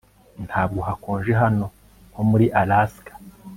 Ntabwo hakonje hano nko muri Alaska